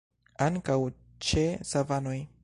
Ankaŭ ĉe savanoj.